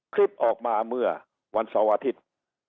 คลิปออกมาเมื่อวันเสาร์อาทิตย์